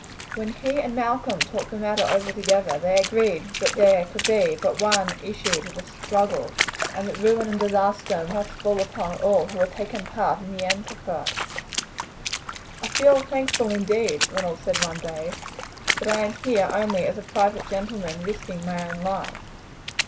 When he and Malcolm talked the matter over together they agreed that there could be but one issue to the struggle, and that ruin and disaster must fall upon all who had taken part in the enterprise. "I feel thankful indeed," Ronald said one day, "that I am here only as a private gentleman risking my own life.